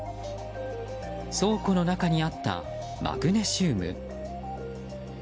倉庫の中にあったマグネシウム。